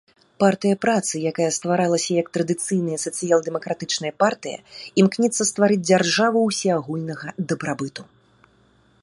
Партыя працы, якая стваралася як традыцыйная сацыял-дэмакратычная партыя, імкнецца стварыць дзяржаву ўсеагульнага дабрабыту.